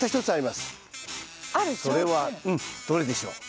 それはどれでしょう？